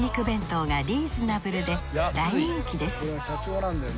弁当がリーズナブルで大人気です